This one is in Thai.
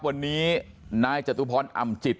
วันนี้นายจตุพรอำจิต